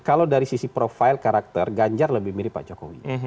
kalau dari sisi profile karakter ganjar lebih mirip pak jokowi